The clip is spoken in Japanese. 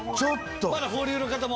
まだ保留の方も。